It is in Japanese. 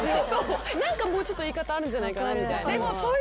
何かもうちょっと言い方あるんじゃないかな。